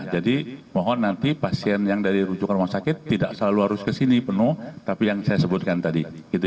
mohon nanti pasien yang dari rujukan rumah sakit tidak selalu harus kesini penuh tapi yang saya sebutkan tadi